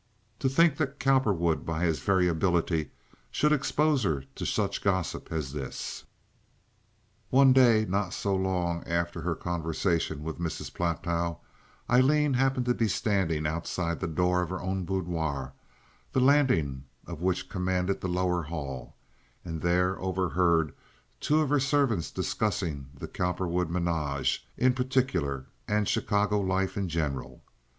To think that Cowperwood by his variability should expose her to such gossip as this! One day not so long after her conversation with Mrs. Platow, Aileen happened to be standing outside the door of her own boudoir, the landing of which commanded the lower hall, and there overheard two of her servants discussing the Cowperwood menage in particular and Chicago life in general.